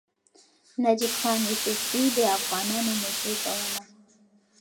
نجیب خان یوسفزي د افغانانو مشري کوله.